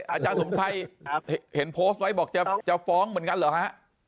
อาจารย์สมชัยเห็นโพสต์ไว้บอกจะฟ้องเหมือนกันเหรอฮะ